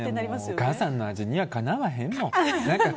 お母さんの味にはかなわへんもん。